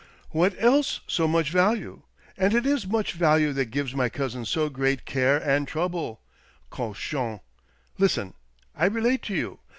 What else so much value ? And it is much value that gives my cousin so great care and trouble — cochon ! Listen ! I relate to you.